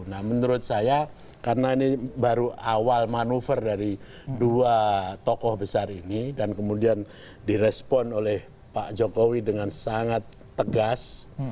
nah menurut saya karena ini baru awal manuver dari dua tokoh besar ini dan kemudian direspon oleh pak jokowi dengan sangat tegas